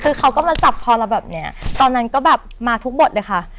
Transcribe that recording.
คือเขาก็มาจับคอเราแบบเนี้ยตอนนั้นก็แบบมาทุกบทเลยค่ะ